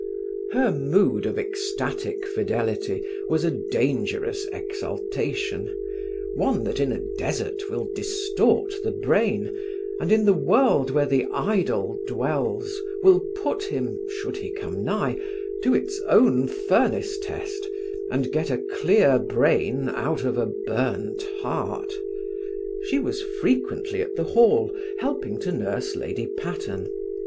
Her mood of ecstatic fidelity was a dangerous exaltation; one that in a desert will distort the brain, and in the world where the idol dwells will put him, should he come nigh, to its own furnace test, and get a clear brain out of a burnt heart. She was frequently at the Hall, helping to nurse Lady Patterne.